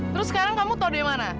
terus sekarang kamu tau dari mana